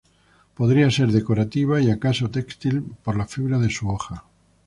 Podría ser decorativa y acaso textil por la fibra de su hoja.